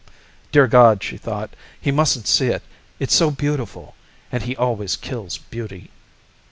Dear God, she thought, _he mustn't see it. It's so beautiful, and he always kills beauty.